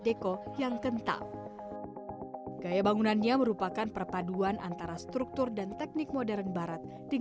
deko yang kental gaya bangunannya merupakan perpaduan antara struktur dan teknik modern barat dengan